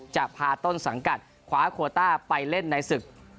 จะพาต้นสังกัดคว้าโคต้าไปเล่นในศึก